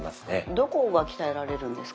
どこが鍛えられるんですか？